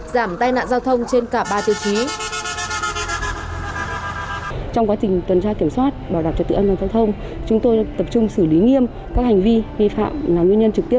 giảm tai nạn giao thông trên cả ba tiêu chí